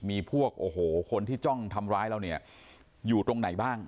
มีพวกคนที่จ้องทำร้ายเราอยู่ตรงไหนบ้าง